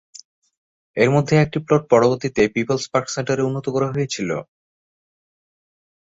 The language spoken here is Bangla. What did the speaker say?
এর মধ্যে একটি প্লট পরবর্তীতে পিপলস পার্ক সেন্টারে উন্নত করা হয়েছিল।